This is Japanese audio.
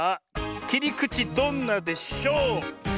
きりくちどんなでしょ。